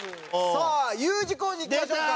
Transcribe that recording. さあＵ字工事いきましょうか。